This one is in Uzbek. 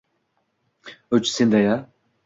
“Uch? Senda-ya?